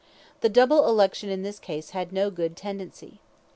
The double election in this case had no good tendency.